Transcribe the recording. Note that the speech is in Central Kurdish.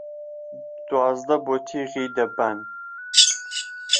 دوازدە بو تیخی دەببان